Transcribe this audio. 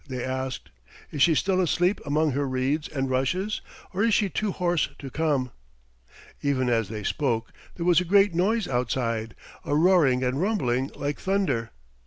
they asked. "Is she still asleep among her reeds and rushes, or is she too hoarse to come?" Even as they spoke there was a great noise outside, a roaring and rumbling like thunder.